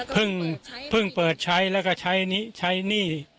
เพิ่งเปิดใช้แล้วก็ใช้หนี้